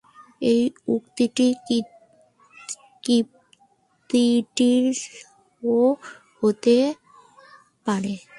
এ উক্তিটি কিবতীটিরও হতে পারে।